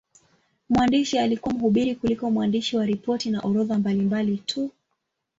Mwandishi alikuwa mhubiri kuliko mwandishi wa ripoti na orodha mbalimbali tu.